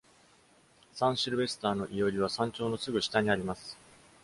サン・シルベスターの庵は、山頂のすぐ下にあります。